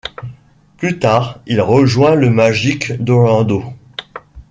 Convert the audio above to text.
Plus tard, il rejoint le Magic d'Orlando.